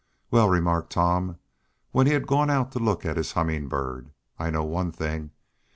"Well," remarked Tom, when he had gone out to look at his Humming Bird, "I know one thing.